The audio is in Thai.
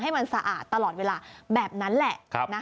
ให้มันสะอาดตลอดเวลาแบบนั้นแหละ